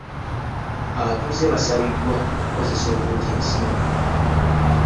Abatuuze baasabiddwa okukozesa obulungi ensimbi.